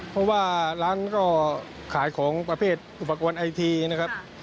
เพราะว่าร้านก็ขายของประเภทอุปกรณ์ไอทีนะครับ